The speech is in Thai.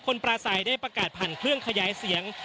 ปราศัยได้ประกาศผ่านเครื่องขยายเสียง